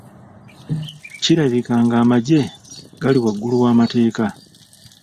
Kirabika ng'amaggye gali waggulu w'amateeka.